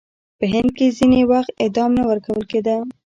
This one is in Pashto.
په هند کې ځینې وخت اعدام نه ورکول کېده.